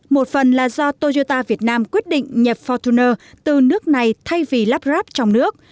một phần là do toyota việt nam quyết định nhập fortuner từ nước này thay vì lắp ráp trong nước